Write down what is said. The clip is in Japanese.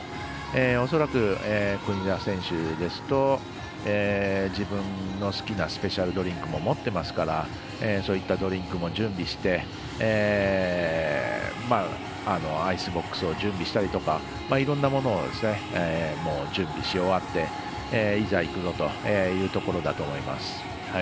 恐らく国枝選手ですと自分の好きなスペシャルドリンクも持っていますからそういったドリンクも準備してアイスボックスを準備したりとかいろんなものを準備し終わっていざいくぞというところだと思います。